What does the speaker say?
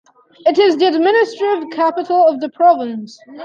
It is the administrative capital of the province.